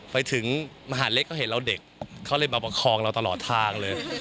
ไปถึงมหาเล็กเขาเห็นเราเด็กเขาเลยมาประคองเราตลอดทางเลย